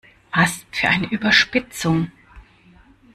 Was für eine Überspitzung!